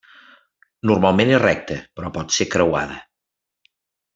Normalment és recta, però pot ésser creuada.